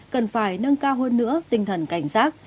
cần phải nâng cao hơn nữa tinh thần cảnh giác